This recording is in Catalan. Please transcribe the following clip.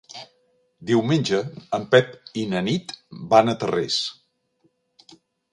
Diumenge en Pep i na Nit van a Tarrés.